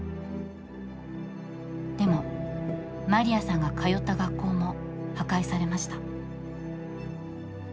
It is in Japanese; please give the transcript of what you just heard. でも、マリアさんが通った学校も破壊されました。